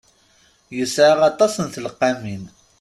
Yesɛa aṭas n tleqqamin.